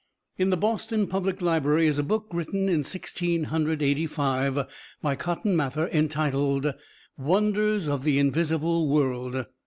In the Boston Public Library is a book written in Sixteen Hundred Eighty five by Cotton Mather, entitled, "Wonders of the Invisible World."